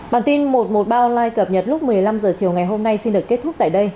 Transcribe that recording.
bản tin một trăm một mươi ba online cập nhật lúc một mươi năm h chiều ngày hôm nay xin được kết thúc tại đây